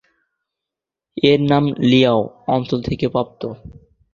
এর নাম লিয়াও অঞ্চল থেকে প্রাপ্ত।